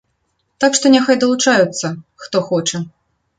Так што няхай далучаюцца, хто хоча.